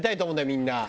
みんな。